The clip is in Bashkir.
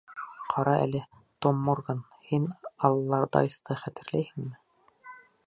Ҡара әле, Том Морган, һин Аллардайсты хәтерләйһеңме?